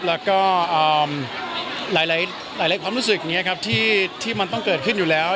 แล้วก็หลายความรู้สึกนี้ครับที่มันต้องเกิดขึ้นอยู่แล้ว